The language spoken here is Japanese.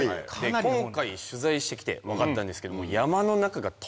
今回取材して来て分かったんですけども。